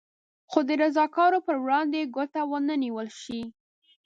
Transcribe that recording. خو د رضاکارو پر وړاندې ګوته ونه نېول شي.